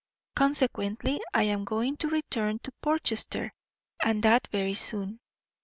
Consequently I am going to return to Portchester, and that very soon.